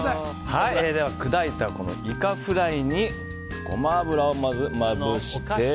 では、砕いたイカフライにゴマ油をまぶして。